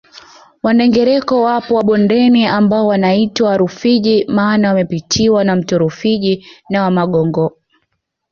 Wandengereko wapo wa bondeni ambao wanaitwa Warufiji maana wamepitiwa na mto Rufiji na Wamagongo